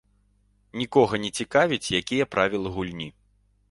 Нікога не цікавяць, якія правілы гульні.